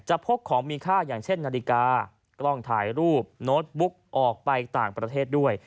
พกของมีค่าอย่างเช่นนาฬิกากล้องถ่ายรูปโน้ตบุ๊กออกไปต่างประเทศด้วย